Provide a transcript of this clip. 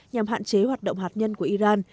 nhằm hạn chế hoạt động hạt nhân của iran